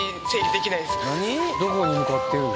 どこに向かってるの？